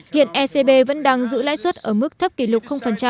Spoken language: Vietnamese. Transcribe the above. hiện ecb vẫn đang giữ lãi suất ở mức thấp kỷ lục